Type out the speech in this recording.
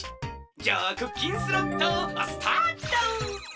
じゃあクッキンスロットスタート！